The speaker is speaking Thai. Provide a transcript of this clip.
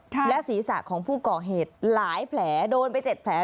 และศีรษะของผู้ก่อเหตุหลายแผลโดนไปเจ็ดแผล